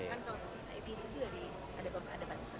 kan kalau di ipc itu ada pak